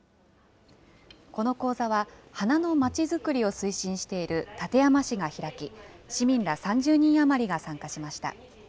この講座は花のまちづくりを推進している館山市が開き、市民ら３０人余りが参加しました。